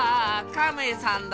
カメさんだ。